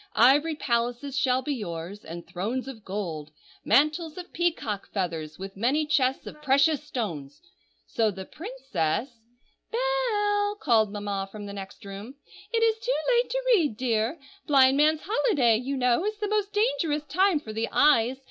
Ivory palaces shall be yours, and thrones of gold; mantles of peacock feathers, with many chests of precious stones.' So the princess—" "Bell!" called Mamma from the next room. "It is too late to read, dear! Blindman's Holiday, you know, is the most dangerous time for the eyes.